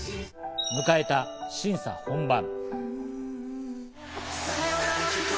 迎えた審査本番。